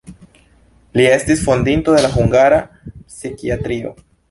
Li estis fondinto de la hungara psikiatrio.